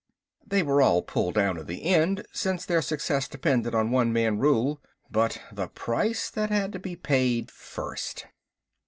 They were all pulled down in the end, since their success depended on one man rule. But the price that had to be paid first!